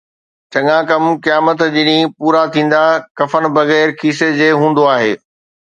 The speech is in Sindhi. چڱا ڪم قيامت جي ڏينهن پورا ٿيندا، ڪفن بغير کيسي جي هوندو آهي